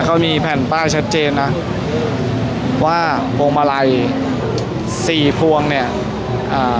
เขามีแผ่นป้ายชัดเจนนะว่าพวงมาลัยสี่พวงเนี้ยอ่า